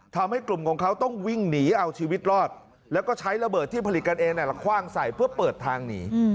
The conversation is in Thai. ทำให้กลุ่มของเขาต้องวิ่งหนีเอาชีวิตรอดแล้วก็ใช้ระเบิดที่ผลิตกันเองคว่างใส่เพื่อเปิดทางหนี